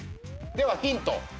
ではヒント。